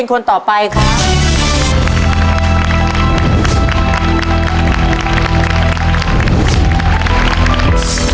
ชุดที่๔ห้อชุดที่๔